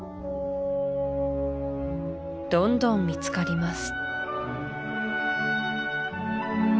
どんどん見つかります